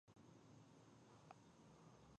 شپه ده بار دستورو په اوږو راوړي